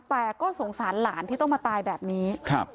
แต่ก็สงสารหลานที่ต้องมาตายแบบนี้